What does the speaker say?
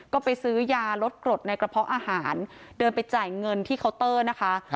ก็ไปซื้อยาลดกรดในกระเพาะอาหารเดินไปจ่ายเงินที่เคาน์เตอร์นะคะ